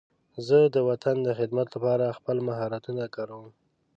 زه د وطن د خدمت لپاره خپل مهارتونه کاروم.